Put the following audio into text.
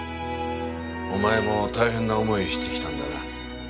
お前も大変な思いしてきたんだな。